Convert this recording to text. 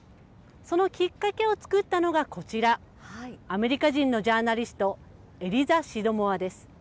そのきっかけを作ったのがこちら、アメリカ人のジャーナリスト、エリザ・シドモアです。